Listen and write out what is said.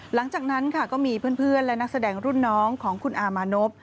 หลังจากนั้นค่ะก็มีเพื่อนและนักแสดงรุ่นน้องของคุณอามานพ